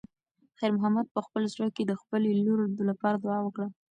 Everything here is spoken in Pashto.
خیر محمد په خپل زړه کې د خپلې لور لپاره دعا وکړه.